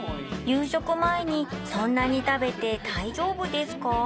食前にそんなに食べて大丈夫ですか？